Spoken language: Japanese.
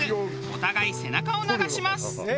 お互い背中を流します。